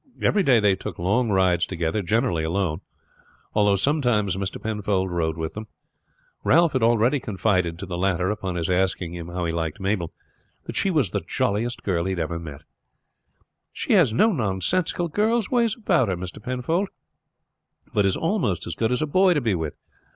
Every day they took long rides together, generally alone, although sometimes Mr. Penfold rode with them. Ralph had already confided to the latter, upon his asking him how he liked Mabel, that she was the jolliest girl that he had ever met. "She has no nonsensical girl's ways about her, Mr. Penfold; but is almost as good as a boy to be with.